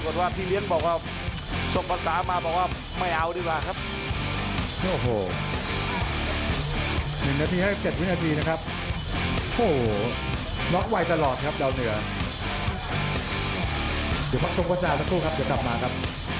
ความหัดหนักเหลือเกินครับ